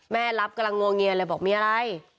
รับกำลังงวงเงียนเลยบอกมีอะไร